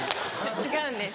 違うんです。